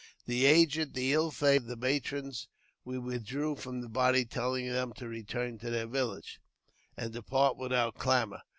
The aged, the ill favoured, and the matrons we withdrew from the body, telling them to return to the village, and depart without clamour.